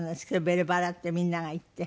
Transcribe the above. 『ベルばら』ってみんなが言って。